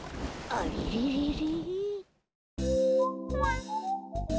あれれれれれ。